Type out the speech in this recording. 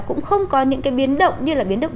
cũng không có những cái biến động như là biến động